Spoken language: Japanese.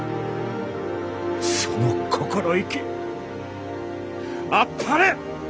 その心意気あっぱれ！